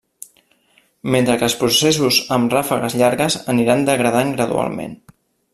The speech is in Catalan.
Mentre que els processos amb ràfegues llargues aniran degradant gradualment.